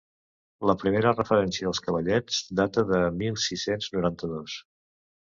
La primera referència als cavallets data de mil sis-cents noranta-dos.